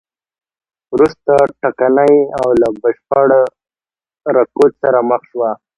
وروسته ټکنۍ او له بشپړ رکود سره مخ شوه.